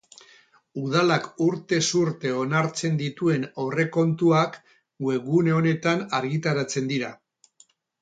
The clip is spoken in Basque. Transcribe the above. Udalak urtez urte onartzen dituen aurrekontuak webgune honetan argitaratzen dira.